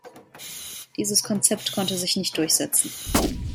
Dieses Konzept konnte sich nicht durchsetzen.